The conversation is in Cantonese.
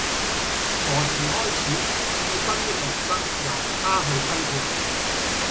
何時開始智勳的人生由他去批判